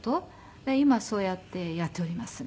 今そうやってやっておりますね。